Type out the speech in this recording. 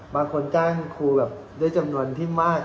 บางคนจ้างครูแบบได้จำนวนที่มาก